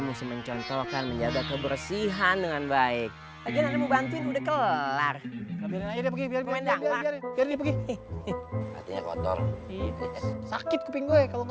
musim mencontohkan menjaga kebersihan dengan baik aja nanti udah kelar biarin biarin